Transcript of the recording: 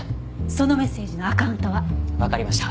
そのメッセージのアカウントは？わかりました。